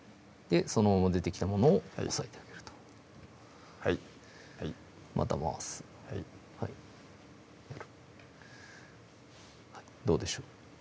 そのまま出てきたものを押さえてあげるとはいはいまた回すどうでしょう？